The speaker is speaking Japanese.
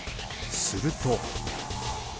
すると。